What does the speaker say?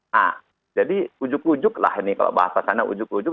nah jadi ujuk ujuk lah ini kalau bahasa sana ujuk ujug